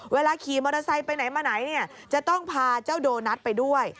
เวลาขี่มอเตอร์ไซต์ไปไหนจะต้องพาเจ้าโดนัทไปด้วย